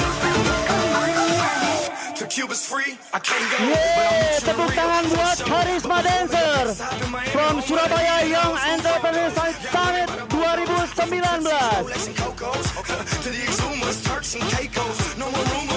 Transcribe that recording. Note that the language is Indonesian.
selamat datang kembali di surabaya youth entrepreneurs summit